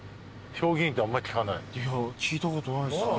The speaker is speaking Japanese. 聞いたことないです。